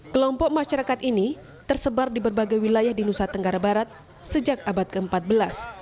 kelompok masyarakat ini tersebar di berbagai wilayah di nusa tenggara barat sejak abad ke empat belas